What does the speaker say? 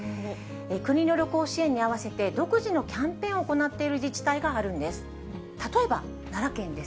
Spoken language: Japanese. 国の旅行支援に合わせて、独自のキャンペーンを行っている自治体があるんです。